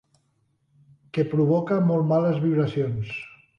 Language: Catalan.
Que provoca molt males vibracions.